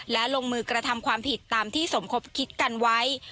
และลงมือกระทำความผิดตามที่สมคบคิดกันไว้